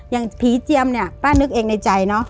อย่างผีเจียมป้านึกเองในใจ